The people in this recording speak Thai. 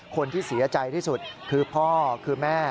คนที่เสียใจที่สุดคือพ่อคือแม่